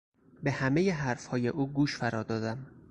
به همهی حرفهای او گوش فرا دادم.